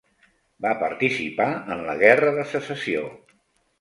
Va participar en la Guerra de Secessió.